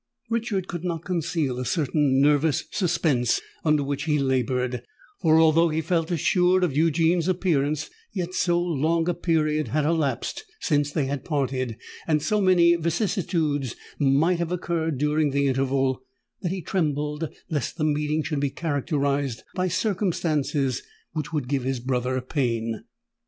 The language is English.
Richard could not conceal a certain nervous suspense under which he laboured; for although he felt assured of Eugene's appearance, yet so long a period had elapsed since they had parted, and so many vicissitudes might have occurred during the interval, that he trembled lest the meeting should be characterised by circumstances which would give his brother pain.